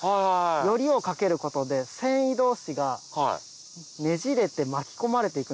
撚りをかけることで繊維同士がねじれて巻き込まれて行くんです。